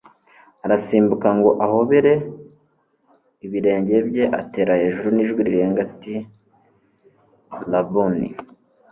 Arasimbuka ngo ahobere ibirenge bye atera hejuru n'ijwi rirenga ati: "Rabuni!"